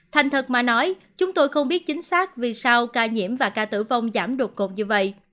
thành thật mà nói chúng tôi không biết chính xác vì sao ca nhiễm và ca tử vong giảm đột ngột như vậy